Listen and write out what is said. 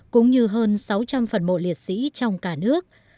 cũng như hơn sáu trăm linh phần mộ liệt sĩ trong cả nước